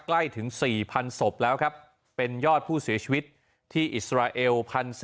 ใกล้ถึง๔๐๐๐ศพแล้วครับเป็นยอดผู้เสียชีวิตที่อิสราเอล๑๔๐๐